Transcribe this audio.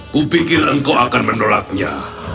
kupikir engkau akan menolaknya